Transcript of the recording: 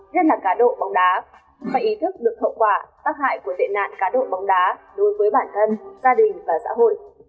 nhất là cá độ bóng đá phải ý thức được hậu quả tác hại của tệ nạn cá độ bóng đá đối với bản thân gia đình và xã hội